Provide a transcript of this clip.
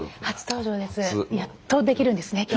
初登場です。